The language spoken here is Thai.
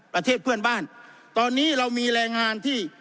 ประเทศเพื่อนบ้านตอนนี้เรามีแรงงานที่